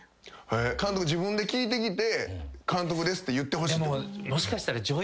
監督自分で聞いてきて監督ですって言ってほしい？でももしかしたら。